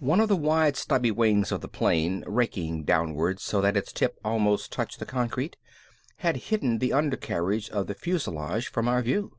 One of the wide stubby wings of the plane, raking downward so that its tip almost touched the concrete, had hidden the undercarriage of the fuselage from our view.